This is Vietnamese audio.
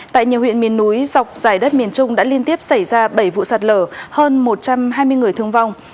tại nhiều huyện miền núi dọc dài đất miền trung đã liên tiếp xảy ra bảy vụ sạt lở hơn một trăm hai mươi người thương vong